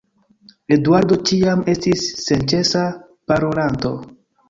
Eduardo ĉiam estis senĉesa parolanto.